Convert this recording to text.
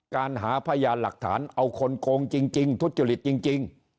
การหาพยานหลักฐานเอาคนโกงจริงทุจริตจริง